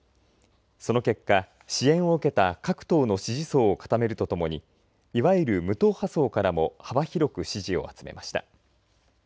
その結果支援を受けた各党の支持層を固めるとともにいわゆる無党派層からも幅広く支持を集めました。